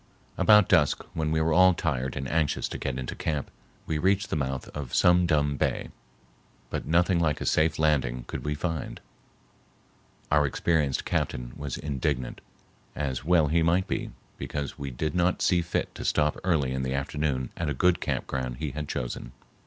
About dusk, when we were all tired and anxious to get into camp, we reached the mouth of Sum Dum Bay, but nothing like a safe landing could we find. Our experienced captain was indignant, as well he might be, because we did not see fit to stop early in the afternoon at a good camp ground he had chosen.